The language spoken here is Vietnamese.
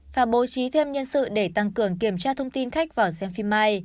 và bố trí thêm nhân sự để tăng cường kiểm tra thông tin khách vào xem phim mai